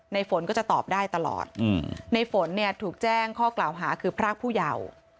ฝนก็จะตอบได้ตลอดในฝนเนี่ยถูกแจ้งข้อกล่าวหาคือพรากผู้เยาว์